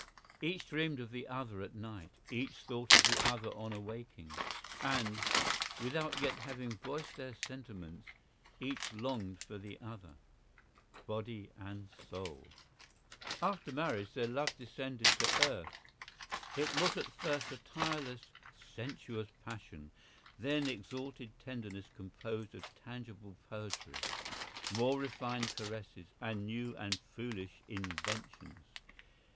Each dreamed of the other at night, each thought of the other on awaking, * and, without yet having voiced their sentiments, each longing for the other, body and soul. After marriage their love descended to earth. It was at first a tireless, sensuous passion, then exalted tenderness composed of tangible poetry, more refined caresses, and new and foolish inventions.